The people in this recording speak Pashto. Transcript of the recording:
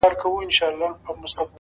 د سوځېدلو لرگو زور خو له هندو سره وي;